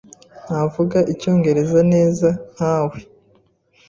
Ntavuga Icyongereza neza nkawe.